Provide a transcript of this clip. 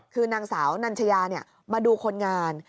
คือนางสาวนัญชยามาดูคนงาน